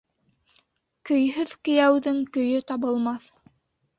Көйһөҙ кейәүҙең көйө табылмаҫ.